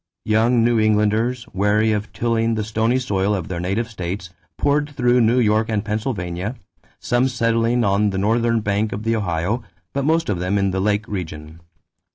Young New Englanders, weary of tilling the stony soil of their native states, poured through New York and Pennsylvania, some settling on the northern bank of the Ohio but most of them in the Lake region.